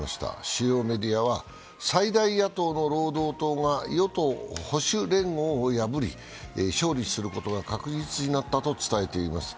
主要メディアは、最大野党の労働党が与党・保守連合を破り勝利することが確実になったと伝えています。